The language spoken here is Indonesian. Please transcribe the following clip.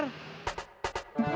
jolim itu dosanya besar